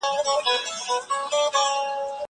زه هره ورځ د ښوونځی لپاره تياری کوم!!